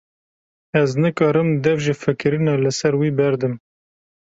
Ez nikarim dev ji fikirîna li ser wî berdim.